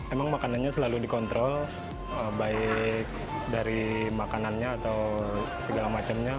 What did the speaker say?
emang makanannya selalu dikontrol baik dari makanannya atau segala macamnya